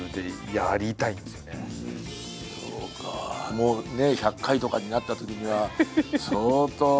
もうね１００回とかになったときには相当ね。